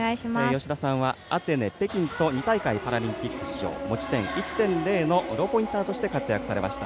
吉田さんはアテネ、北京と２大会パラリンピック出場持ち点１．０のローポインターとして活躍されました。